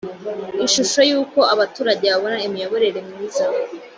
ishusho y uko abaturage babona imiyoborere nimyiza.